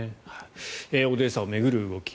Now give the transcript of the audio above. オデーサを巡る動き。